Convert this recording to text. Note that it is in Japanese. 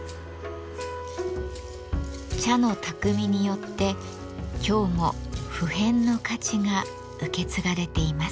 茶の匠によって今日も不変の価値が受け継がれています。